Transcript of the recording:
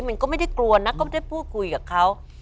มันก็ไม่ได้กลัวนะก็ไม่ได้พูดคุยกับเขา